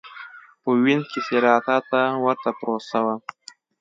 په وینز کې سېراتا ته ورته پروسه وه.